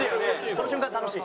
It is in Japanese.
この瞬間楽しい。